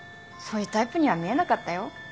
そういうタイプには見えなかったよ。